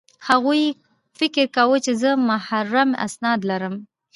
هغوی فکر کاوه چې زه محرم اسناد لرم